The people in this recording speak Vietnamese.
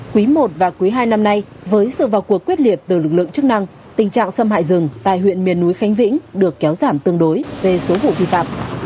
quý i và quý hai năm nay với sự vào cuộc quyết liệt từ lực lượng chức năng tình trạng xâm hại rừng tại huyện miền núi khánh vĩnh được kéo giảm tương đối về số vụ vi phạm